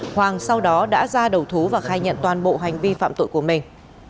hoàng sau đó đã ra đầu thú và khai nhận toàn bộ hành vi phạm tội của mình